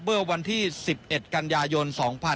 เมื่อวันที่๑๑กันยายน๒๕๖๒